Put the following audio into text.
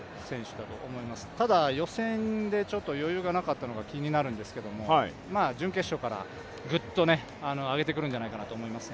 ただ、ちょっと予選で余裕がなかったのが気になるんですけど準決勝からぐっと上げてくるんじゃないかと思います。